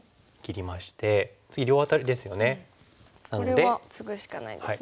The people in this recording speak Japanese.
これはツグしかないですね。